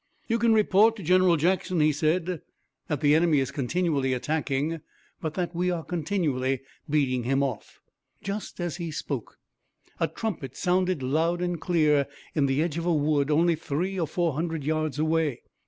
"You can report to General Jackson," he said, "that the enemy is continually attacking, but that we are continually beating him off." Just as he spoke a trumpet sounded loud and clear in the edge of a wood only three or four hundred yards away.